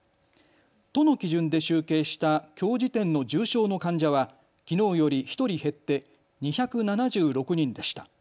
都の基準で集計したきょう時点の重症の患者はきのうより１人減って２７６人でした。